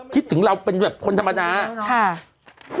คิดถึงเราเป็นแบบคนธรรมดา